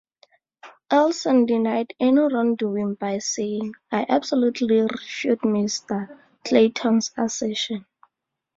Olsen denied any wrongdoing by saying ...I absolutely refute Mr Clayton's assertion.